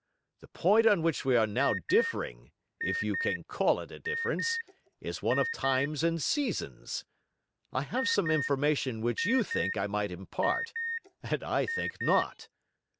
The point on which we are now differing if you can call it a difference is one of times and seasons. I have some information which you think I might impart, and I think not.